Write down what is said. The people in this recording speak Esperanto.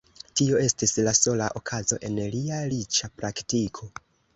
Tio estis la sola okazo en lia riĉa praktiko.